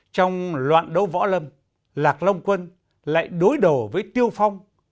trong loạn đấu võ lâm lạc long quân lại đối đầu với tiêu phong